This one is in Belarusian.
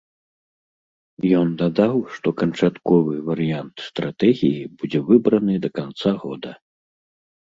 Ён дадаў, што канчатковы варыянт стратэгіі будзе выбраны да канца года.